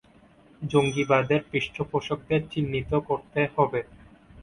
জঙ্গিবাদের পৃষ্ঠপোষকদের চিহ্নিত করতে হবে।